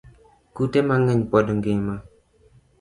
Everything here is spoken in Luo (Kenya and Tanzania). Kute mangeny pod ngima